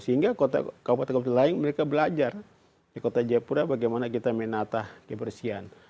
sehingga kabupaten kabupaten lain mereka belajar di kota jayapura bagaimana kita menatah kebersihan